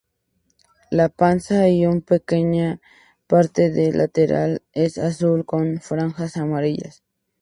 La panza, y una pequeña parte del lateral es azul con franjas amarillas.